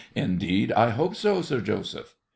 Indeed I hope so, Sir Joseph.